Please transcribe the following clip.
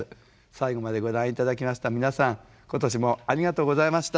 最後までご覧頂きました皆さん今年もありがとうございました。